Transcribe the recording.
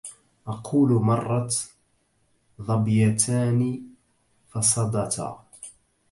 أقول مرت ظبيتان فصدتا